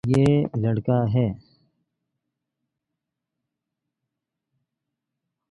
یے لڑکا ہے